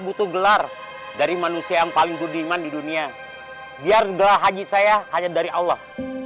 butuh gelar dari manusia yang paling budiman di dunia biar gelar haji saya hanya dari allah